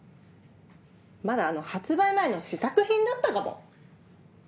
まだ発売前の試作品だったかもあれは。